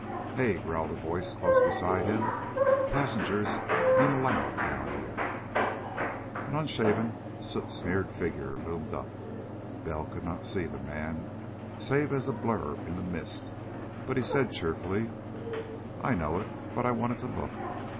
"Hey!" growled a voice close beside him. "Passengers ain't allowed down here." An unshaven, soot smeared figure loomed up. Bell could not see the man save as a blur in the mist, but he said cheerfully: "I know it, but I wanted to look.